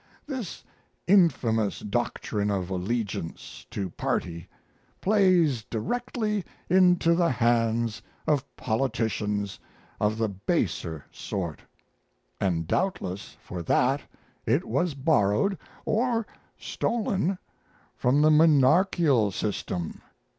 This infamous doctrine of allegiance to party plays directly into the hands of politicians of the baser sort and doubtless for that it was borrowed or stolen from the monarchial system.